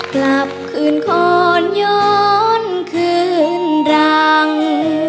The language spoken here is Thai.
กลับคืนคอนย้อนคืนรัง